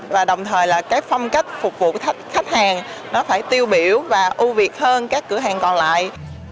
và đồng thời là phong cách phục vụ khách hàng phải tiêu biểu và ưu việt hơn các cửa hàng còn lại